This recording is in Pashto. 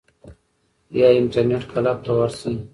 یا انټرنیټ کلب ته ورشئ.